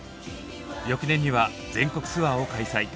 翌年には全国ツアーを開催。